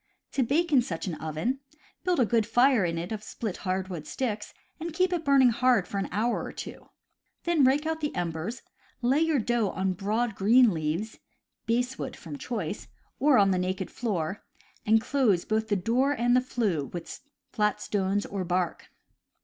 To bake in such an oven: build a good fire in it of split hardwood sticks, and keep it burning hard for an hour or two; then rake out the embers, lay your dough on broad green leaves (basswood, from choice) or on the naked floor, and close both the door and the flue with flat stones or bark.